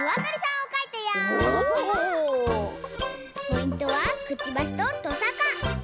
ポイントはくちばしととさか！